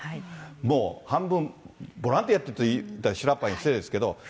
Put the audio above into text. もう半分、ボランティアといったらひらパーに失礼ですけど。